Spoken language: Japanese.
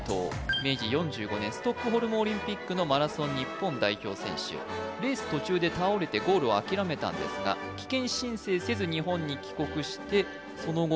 明治４５年ストックホルムオリンピックのマラソン日本代表選手レース途中で倒れてゴールを諦めたんですが棄権申請せず日本に帰国してその後